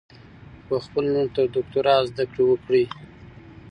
په خپلو لوڼو تر دوکترا ذدکړي وکړئ